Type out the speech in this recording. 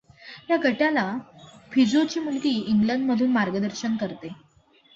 या गटाला फिझोची मुलगी इंग्लंडमधून मार्गदर्शन करते.